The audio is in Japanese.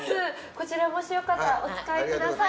こちらもしよかったらお使いください。